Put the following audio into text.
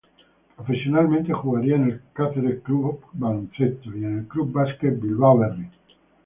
Profesionalmente jugaría en el Cáceres Club Baloncesto y en el Club Basket Bilbao Berri.